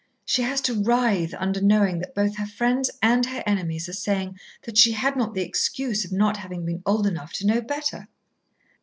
She has to writhe under knowing that both her friends and her enemies are saying that she had not the excuse of not having been old enough to know better."